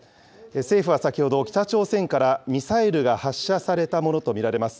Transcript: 政府は先ほど、北朝鮮からミサイルが発射されたものと見られます。